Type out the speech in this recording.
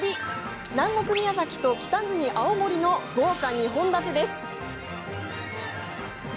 南国・宮崎と北国・青森の豪華２本立てです。